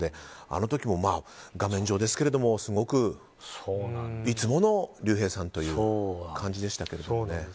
あの時も、画面上ですけれどもすごくいつもの竜兵さんという感じでしたけどもね。